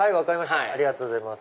ありがとうございます。